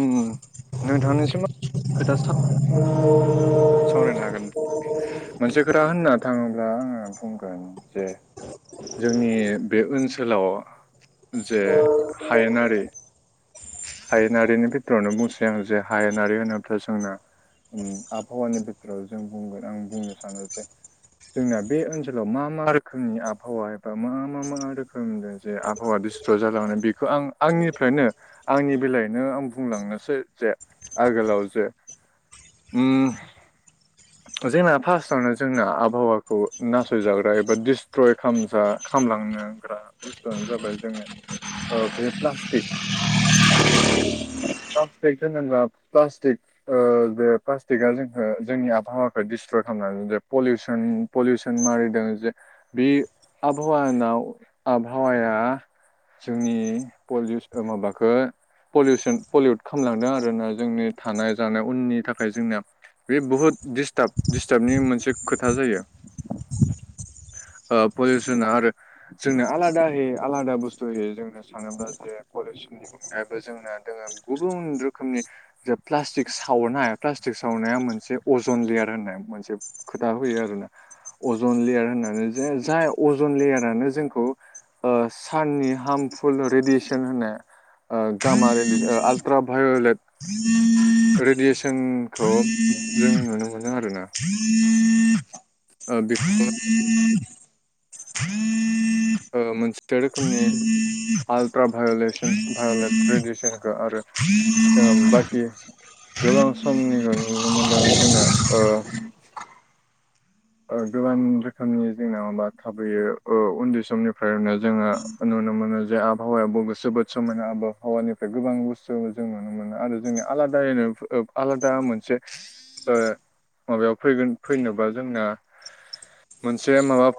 ओम नोंथांनिसिमबो खोथा सान [unintelligible] सावरायनो हागोन मोनसे खोथा होनना थाङोब्ला आङो बुंगोन जे जोंनि बे ओनसोलाव जे हायेनारि हायेनारिनि बिथोरावनो बुंसै आं जे हायेनारि होनोब्ला जोंना आबहावानि बिथोराव जों बुंगोन आं बुंनो सानो जे जोंना बे ओनसोलाव मा मा रोखोमनि आबहावा एबा मा मा मा रोखोमजों जे आबहावा [unintelligible] स्र' जालांनानै बेखौ आं आंनिफ्रायनो आंनि बेलायैनो आं बुंलांनोसै जे आगोलाव जे ओ जोंना फार्स्टआवनो जोंना आबहावाखौ नासयजाग्रा एबा डिस्ट्रय खालामजा खामलांनांग्रा बुस्थुआनो जाबाय जोङो बे प्लास्टिक प्लास्टिक जों होनब्ला प्लास्टिक जे प्लास्टिकआ जोंखौ जोंनि आबहावाखौ डिसट्रय खालामनानै जे पलिउसन पलिउसन मारिदों जे बे आबहावानाव आबहावाया जोंनि पलिउस माबाखौ पलिउसन पलिउद खालामलांदों आरो ना जोंनि थानाय जानाय उननि थाखाय जोंनिया बे बुहुत दिस्टार्ब दिस्टार्बनि मोनसे खोथा जायो पलिउसना आरो जोंनो आलादायै आलादा बुस्थु होयो जोंनो सानोब्ला जे कलेजनि बो जोंना दोङो गुबुन रोखोमनि जे प्लास्टिक सावोना प्लास्टिक सावनाया मोनसे अजन लेयार होननाय मोनसे खोथा होयो आरोना अजन लेयार होननानै जे जाय अजन लेयारानो जोंखौ साननि हार्मफुल रेडियेसन होननाय गामा रेदिस आट्रा भायलेट रेडियेसनखौ जों नुनो मोनदों आरोना ओ बेखौ मोनसे रोखोमनि आल्ट्रा भायलेसन भायलेट रेडियेसनखौ आरो जोंङो बाखि गोबां समनिखौ नुनो मोनदोंमोन जोंना गोबां रोखोमनि जोंना माबा थाबैयो उन्दै समनिफ्रायनो जोङो नुनो मोनो जे आबहावायाव जोबोद समायना आबहावानिफ्राय गोबां बुस्थु जों नुनो मोनो आरो जों आलादायैनो आलादा मोनसे माबायाव फैगोन फैनोबा जोंना मोनसे माबा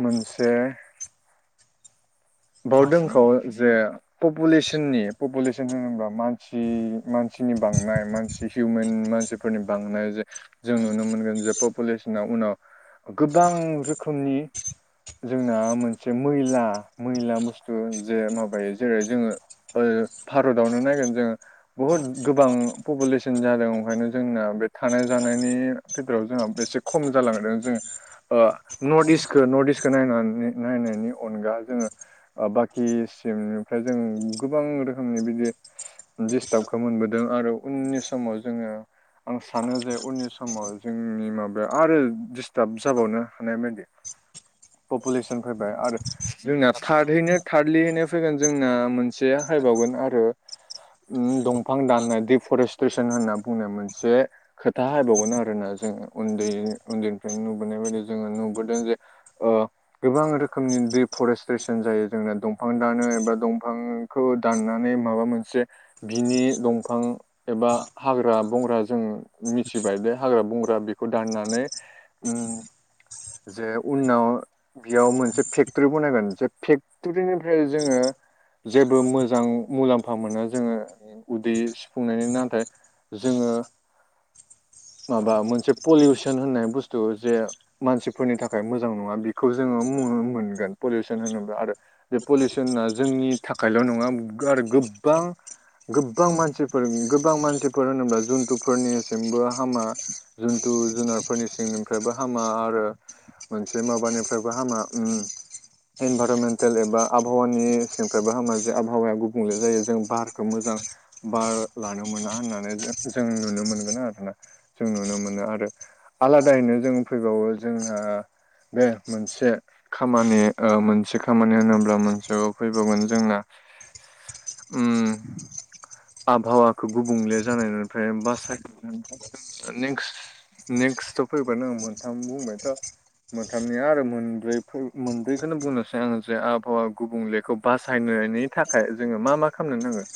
मोनसे बाव दोंखौ जे पपुलेसननि पपुलेसन होनोबा मानसि मानसिनि बांनाय मानसि हिउमेन मानसिफोरनि बांनाय जे जों नुनो मोनगोन जे पपुलेसना उनाव गोबां रोखोमनि जोंना मोनसे मैला मैला बुस्थु जे माबायो जेरै जोङो भारतावनो नायगोन जोङो बहुद गोबां पपुलेसन जादों ओंखायनो जोंना बे थानाय जानायनि फिथोराव जोंहा एसे खम जालांदों जोङो नर्थ इस्टखौ नर्थ इस्टखौ नायनानै नायनायनि अनगा जोङो बाखिसिमनिफ्राय जों गोबां रोखोमनि बिदि डिस्टार्बखौ मोनबोदों आरो उननि समाव जोङो आं सानो जे उननि समाव जोंनि माबाया आरो डिस्टार्ब जाबावनो हानाय बायदि पपुलेसन फैबाय आरो जोंनि थार्दहैनो थार्लिनो फैगोन जोंना मोनसे हायबावगोन आरो दंफां दाननाय दि फरेस्ट्रेसन होननाय बुंनाय मोनसे खोथा हायबावगोन आरोना जोंङो उन्दै उन्दैनिफ्रायनो नुबोनाय बायदि जोङो नुबोदों जे ओ गोबां रोखोमनि दिफरेस्ट सेसन जायो जोंना दंफां दानो एबा दंफांखौ दाननानै माबा मोनसे बिनि दंफां एबा हाग्रा बंग्रा जों मिथिबाय बे हाग्रा बंग्रा बेखौ दाननानै जे उनाव बेयाव मोनसे फेक्टरि बानायगोन जे फेक्टरिनिफ्राय जोङो जेबो मोजां मुलाम्फा मोना जोङो उदै सुफुंनायनि नाथाय जोङो माबा मोनसे पलिउसन होननाय बुस्थु जे मानसिफोरनि थाखाय मोजां नङा बेखौ जोङो मोवो मोनगोन पलिउ सन होनोब्ला आरो बे पलिउसना जोंनि थाखायल' नङा आरो गोबां गोबां मानसिफोर गोबां मानसिफोर होनोब्ला जुन्थुफोरनिसिमबो हामा जुनथु जुनारफोरनिसिंनिफ्रायबो हामा आरो मोनसे माबानिफ्रायबो हामा उम इनभारमेन्टेल एबा आबहावानि सिंफ्रायबो हामा जे आबहावाया गुबुंले जायो जों बारखौ मोजां बार लानो मोना होननानै जों नुनो मोनगोन आरोना जों नुनो मोनो आरो आलादायैनो जों फैबावो जोंहा बे मोनसे खामानि ओ मोनसे खामानि होनोब्ला मोनसेआव फैबावगोन जोंना उम आबहावाखौ गुबुंले जानायनिफ्राय बा साइखेलफ्राय नेक्स नेक्स्ट थ' फैबानो आं मोनथाम बुंबायथ' मोनथामनिया आरो मोनब्रै मोनब्रै बेखौनो बुंनोसै आङो जे आबहावा गुबुंलेखौ बासायनायनि थाखाय जोङो मा मा खालामनो नांगो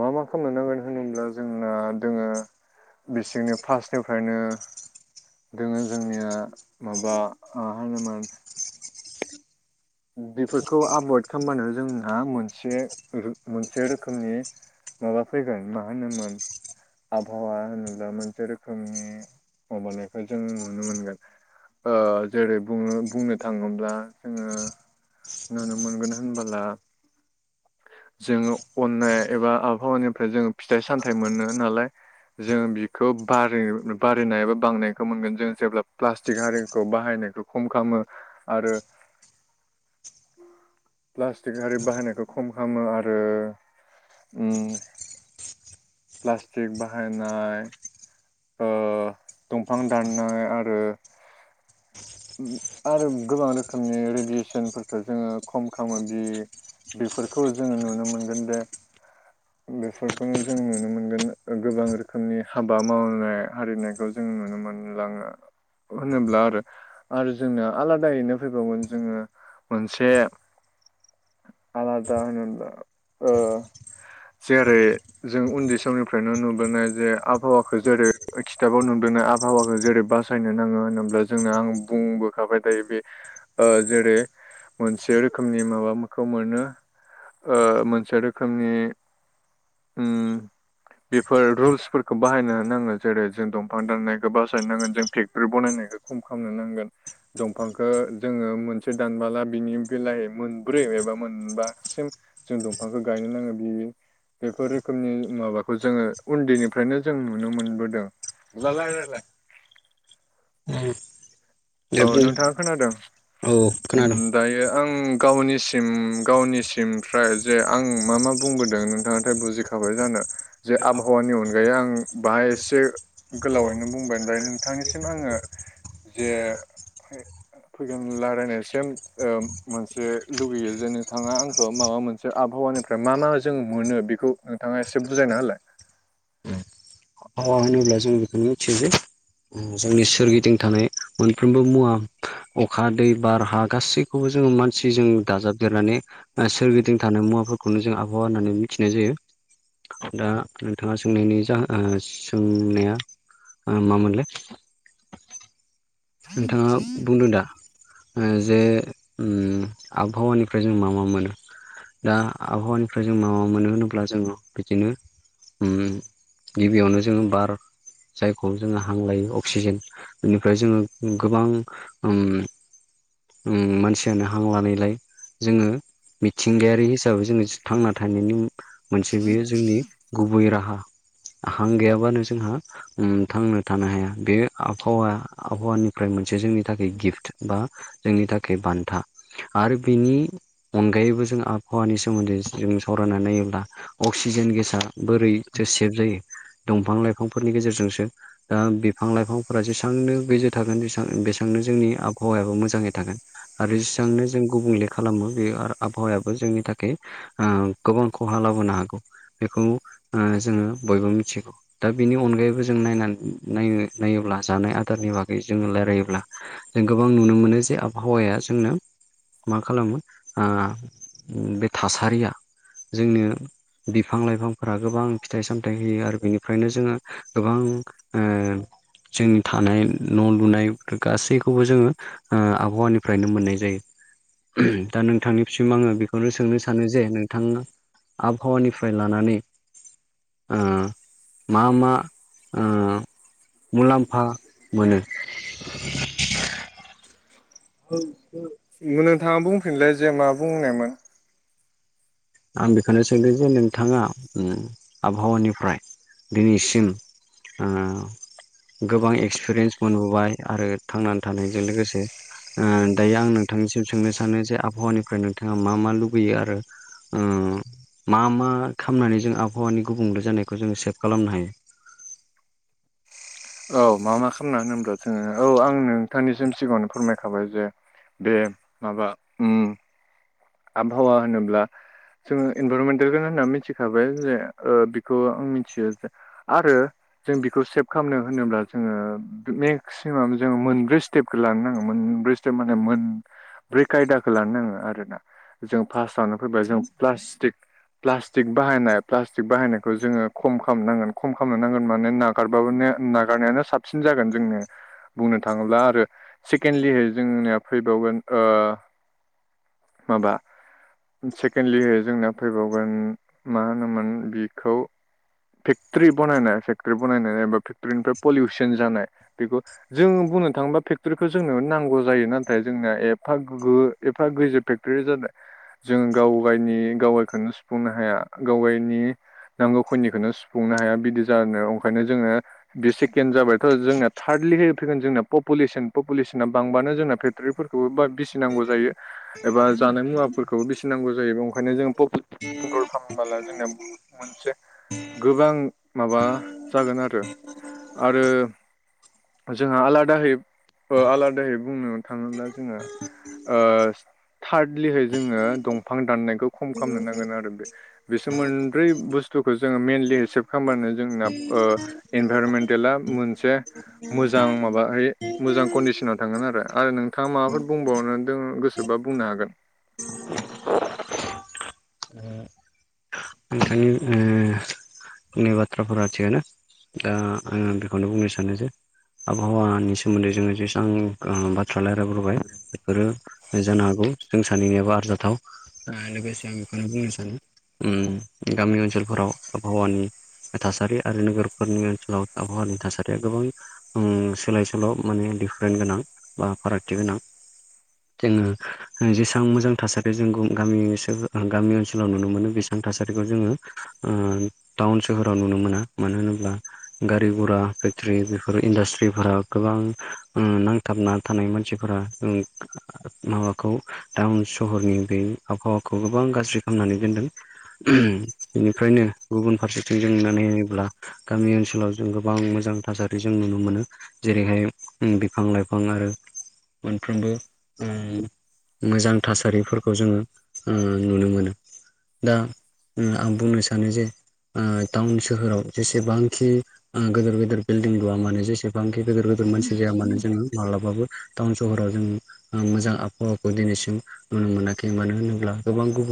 मा मा खामनो नांगोन होनोब्ला जोंना दोङो बिसिंनि फार्स्टनिफ्रायनो दोङो जोंनिया माबा मा होनोमोन बेफोरखौ आबाद खालामबानो जोंना मोनसे मोनसे रोखोमनि माबा फैगोन मा होनोमोन आबहावा होनोब्ला मोनसे रोखोमनि माबानायखौ जों नुनो मोनगोन ओ जेरै बुङो बुंनो थाङोब्ला जोङो नुनो मोनगोन होनबोला जोङो अन्नाय एबा आबहावानिफ्राय जोङो फिथाइ-सामथाइ मोनो नालाय जों बिखौ बारो बारायनायबा बांनायखौ मोनगोन जों जेब्ला प्लास्टिक हारिखौ बाहायनायखौ खम खामो आरो प्लास्टिक हारि बाहायनायखौ खम खामो आरो ओम प्लास्टिक बाहायनाय ओ दंफां दाननाय आरो आरो गोबां रोखोमनि रेडियेसनफोरखौ जोङो खम खामो बि बेफोरखौ जोङो नुनो मोनगोन दे बेफोरखौनो जों नुनो मोनगोन गोबां रोखोमनि हाबा मावनाय हारिनाय जों नुनो मोनलाङो होनोब्ला आरो आरो जोंना आलादायैनो फैबावगोन जोङो मोनसे आलादा होनोब्ला ओ जेरै जों उन्दै समनिफ्रायनो नुबोनाय जे आबहावाखौ जेरै खिथाबाव नुबोनाय आबहावाखौ जेरै बास फासायनो नाङो होनोब्ला जोंना आं बुंबोखाबाय दायो बे ओ जेरै मोनसे रोखोमनि माबाखौ मोनो ओ मोनसे रोखोमनि ओम बेफोर रुल्सफोर खौ बाहायनो नांगो जेरै जों दंफां दाननायखौ बासायनो नांगोन जों फेक्टरि बनायनायखौ खम खामनो नांगोन दंफांखौ जोङो मोनसे दानबोला बिनि बिलिइ मोनब्रै एबा मोनबा सिम जों दंफांखौ गायनो नांगो बेयो बेफोर रोखोमनि माबाखौ जोङो उन्दैनिफ्रायनो जों नुनो मोनबोदों औ नोंथाङा खोनादों ओम दायो आं गावनिसिम गावनिसिम फ्राय जे आं मा मा बुंबोदों नोंथाङाथ' बुजिखाबाय जानो जे आबहावानि अनगायै आं बाहाय एसे गोलावैनो बुंबाय दा नोंथांनिसिम आङो जे फैगोन रायलायनायसिम ओ मोनसे लुगैयो जे नोंथाङा आंखौ माबा मोन से आबहावानिफ्राय मा मा जों मोनो बेखौ नोंथाङा एसे बुजायना होलाय आबहावा होनोब्ला जों बेखौनो मिथियो जे जोंनि सोरगिदिं थानाय मोनफ्रोमबो मुवा अखा, दै, बार, हा गासैखौबो जोङो मानसिजों दाजाबदेरनानै सोरगिदिं थानाय मुवाफोरखौनो जों आबहावा होननानै मिथिनाय जायो दा नोंथाङा सोंनायनि जाहोना सोंनाया ओ माामोनलै? नोंथाङा बुंदों दा ओ जे ओम आबहावानिफ्राय जों मा मा मोनो दा आबहावानिफ्राय जों मा मा मोनो होनोब्ला जोङो बिदिनो ओम गिबियावनो जोङो बार जायखौ जोङो हांलायो अक्सिजेन बेनिफ्राय गोबां ओम ओम मानसियानो हां लानायलाय जोङो मिथिंगायारि हिसाबै जोङो थांना थानायनि मोनसे बेयो जोंनि गुबै राहा हां गैयाबानो जोंहा थांना थानो हाया बे आबहावाया आबहावानिफ्राय मोनसे जोंनि थाखाय गिफ्ट बा जोंनि थाखाय बान्था आरो बिनि अनगायैबो जों आबहावानि सोमोन्दै जों सावरायनानै नायोब्ला अक्सिजेन गेसआ बोरैथो सेभ जायो दंफां लाइफांफोरनि गेजेरजोंसो दा बिफां लाइफांफोरा जेसांनो थागोन बेसां बेसांनो जोंनि आबहावायाबो मोजाङै थागोन आरो जेसांनो जों गुबुंले खालामो बे आबहावायाबो जोंनि थाखाय गोबां खहा लाबोनो हागौ बेखौ जोङो बयबो मिथिगौ दा बेनि अनगायैबो जों नायनानै नायनो नायोब्ला जानाय आ नि बागै जोङो रायलायोब्ला जों गोबां नुनो मोनो जे आबहावाया जोंनो मा खालामो बे थासारिया जोंनो बिफां लाइफांफोरा गोबां फिथाइ सामथाइ होयो आरो बिनिफ्रायनो जोङो गोबां जोंनि थानाय न' लुनाय गासैखौबो जोङो ओ आबहावानिफ्रायनो मोननाय जायो दा नोंथांनिसिम आङो बेखौनो सोंनो सानो जे नोंथाङा आबहावानिफ्राय लानानै मा मा ओ मुलाम्फा मोनो [inaudible] नोंथाङा बुंफिनलाय जे मा बुंनायमोन आं बेखौनो सोंदों जे नों नोंथाङा आबहावानिफ्राय दिनैसिम गोबां एक्सपिरियेन्स मोनबोबाय आरो थांनानै थानायजों लोगोसे दायो आं नोंथांनिसिम सोंनो सानो जे आबहावानिफ्राय नोंथाङा मा मा लुुबैयो आरो मा मा खालामनानै जों आबहावानि गुबुंले जानायखौ जों सेभ खालामनो हायो औ मा मा खालामना होनदो औ आं नोंथांनिसिम सिगाङावनो फोरमायखाबाय जे बे माबा आबहावा होनोब्ला जोङो इनभारमेन्टेल होनना मिथिखाबाय जे बेखौ आं मिथियो जे आरो जों बेखौ सेभ खालामनो होनोब्ला जोङो मेक्सिमाम जोङो मोनब्रै स्टेपखौ लानो नांगोन मोनब्रै स्टेप माने मोन ब्रै खायदाखौ लानो नाङो आरोना जों फार्स्टआवनो फैबाय जों प्लास्टिक प्लास्टिक बाहायनाय प्लास्टिक बाहायनायखौ जोङो खम खालामनांगोन खम खालामनो नांगोन मानो ना नागारबानो नागारनायानो साबसिन जागोन जोंनो बुंनो थाङोब्ला आरो सेकेणडलिहै जोंनिया फैबावगोन माबा सेकेन्डलि जोंना फैबावगोन मा होनोमोन बिखौ फेक्ट्रि बानायनाय फेक्ट्रि बानाय एबा फेक्टरनिफ्राय पलिउसन जानाय बेखौ जोंङो बुंनो थाङोबा फेक्टरिखौ जोंनो नांगौ जायो नाथाय जोंनोया एफा गो एफा गोजोब फेक्टरि जादों जों गावायनि गाव गायखौनो सुफुंनो हाया गाव गायनि नांगौ खिनिखौनो सुफुंनो हाया बिदि ज जादों आरो ओंखायनो जोंनो बे सेकेण्ड जाबायथ' जोंना थार्डलि होफैगोन जोंना पपुलेसन पपुलेसना बांबानो जोंना थाद्रिफोरखौबो बा बिसिनांगौ जायो। एबा जानाय मुवाफोरखौबो बेसिन नांगौ जायो ओंखायनो जोङो पुेस कन्ट्रल खालामबोला जोंनिना मोनसे गोबां माबा जागोन आरो आरो जोंहा आलादायै आलादायै बुंनो थाङोब्ला जोङो थार्डलिहै जोङो दंफां दाननायखौ खम खालामनो नांगोन आरो बे बिसोर मोनब्रै बुस्थुखौ जोङो मइेनलि एक्सेप्ट खालामबानो जोंना ओ इनभाइरमेन्टेला मोनसे मोजां माबाहै मोजां कन्डिसनाव थांगोन आरो नोंथाङा माबाफोर बुंबावनो द गोसोबा बुंनो हागोन। नोंथांनि ओ बाथ्राफोरा थिगानो दा आङो बेखौनो बुंनो सानो जे आबहावानि सोमोन्दै जोङो जेसां बाथ्रा रायज्लायबोबाय बेफोरो जानो हागौ जों सानैनियाबो आरजाथाव उम गामि ओनसोलफोराव आबहावानि थासारि आरो नोगोरफोरनि ओनसोलाव आबहावानि थासारिया गोबां सोलाय सोल' माने डिफारेन्ट गोनां बा फारागथि गोनां। जोङो जेसेबां मोजां थासारि जों गामि गामि ओनसोलाव नुनो मोनो बेसेबां थासारिखौ जोङो ओ टाउन सोहोराव नुनो मोना मानो होनोब्ला गारि घरा फेक्टरि बेफोर इन्डास्ट्रिफोरा गोबां नांथाबना थानाय मानसिफोर माबाखौ टाउन सहरनि बे आबहावा खौ गोबां गाज्रि खालामनानै दोनदों बेनिफ्रायनो गुबुन फारसेथिं जों नुनाय नायोब्ला गामि ओनसोलाव जों गोबां मोजां थासारि जों नुनो मोनो। जेरैहाय बिफां लाइफां आरो मोनफ्रोमबो मोजां थासारिफोरखौ जोङो उम नुनो मोनो। दा आं बुंनो सानो जे टाउन सोहोराव जेसेबांखि गद गेदिर बिल्डिं लुवा मानोे जेसेबांखि गिदिर गिदोर मानसि जाया मानो जोङो मालाबाबो टाउन सहराव जों मोजां आबहावाखौ दिनैसिम नुनो मोनाखै मानो होनोब्ला गोबां गुबुन